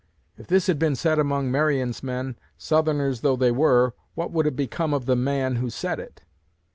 If this had been said among Marion's men, Southerners though they were, what would have become of the man who said it?